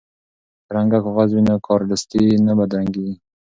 که رنګه کاغذ وي نو کارډستي نه بدرنګیږي.